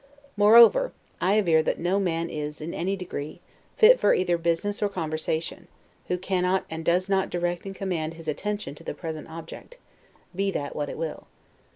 Moreover, I aver that no man is, in any degree, fit for either business or conversation, who cannot and does not direct and command his attention to the present object, be that what it will.